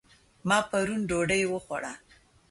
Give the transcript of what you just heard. ما پرون ډوډۍ وخوړه